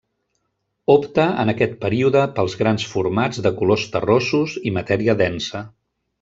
Opta en aquest període pels grans formats de colors terrossos i matèria densa.